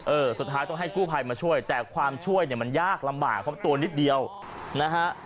เออสุดท้ายต้องให้กู้ภัยมาช่วยแต่ความช่วยเนี่ยมันยากลำบากเพราะตัวนิดเดียวนะฮะ